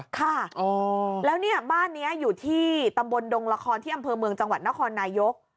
ค่ะแล้วเนี่ยบ้านนี้อยู่ที่ตำบลดงละครที่อำเภอเมืองจังหวัดนครนายก